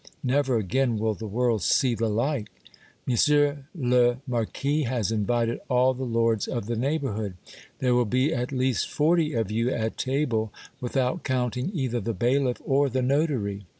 Never again will the world see the like ! Monsieur le Marquis has invited all the lords of the neighborhood. There will be at least forty of you at table, without counting either the bailiff or the notary.